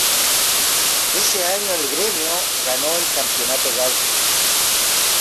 Ese año el Gremio ganó el Campeonato Gaúcho.